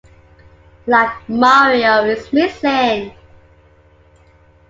Like Mario Is Missing!